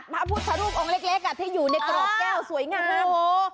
มาพูดสรุปองค์เล็กอ่ะที่อยู่ในกรอบแก้วสวยงาม